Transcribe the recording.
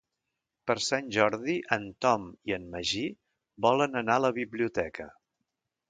Per Sant Jordi en Tom i en Magí volen anar a la biblioteca.